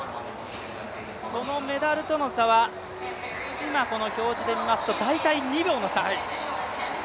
そのメダルとの差は、今この表示で見ますと、大体２秒の差。